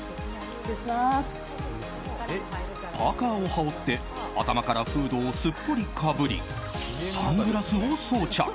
パーカを羽織って頭からフードをすっぽりかぶりサングラスを装着。